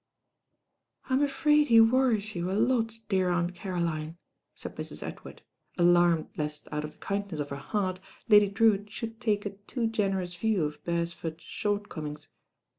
1 m afraid he worries you a lot, dear Aunt Caroline, said Mrs. Edward, alarmed lest out of the kindness of her heart Lady Drewitt should take a too generous view of Beresford's shortcomings.